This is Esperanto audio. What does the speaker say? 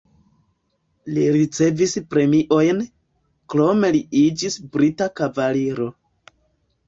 Li ricevis premiojn, krome li iĝis brita kavaliro.